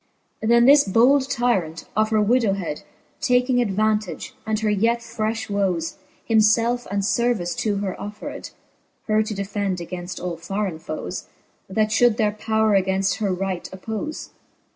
Then this bold tyrant, of her widowhed Taking advantage, and her yet frefh woes, Himfelfe and fervice to her offered, Her to defend againft all forrein foes, That fhould their powre againft her right oppofe.